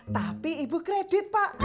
tapi ibu kredit pak